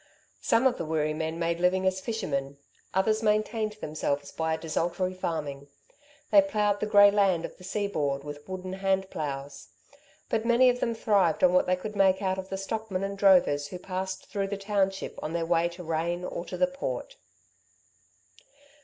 Some of the Wirree men made a living as fishermen. Others maintained themselves by a desultory farming. They ploughed the grey land of the seaboard with wooden hand ploughs. But many of them thrived on what they could make out of the stockmen and drovers who passed through the township on their way to Rane or to the Port.